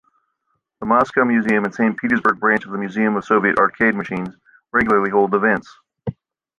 The Moscow Museum and Saint Petersburg branch of the Museum of Soviet Arcade Machines regularly hold events.